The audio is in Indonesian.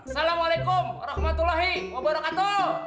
assalamualaikum warahmatullahi wabarakatuh